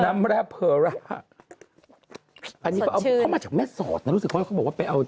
น้ำบริสุทธิ์อะไรแบบนี้